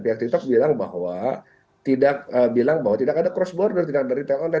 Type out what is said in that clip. pihak tiktok bilang bahwa tidak ada cross border tidak ada retail online